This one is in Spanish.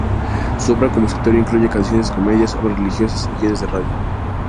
Su obra como escritor incluye canciones, comedias, obras religiosas y guiones de radio.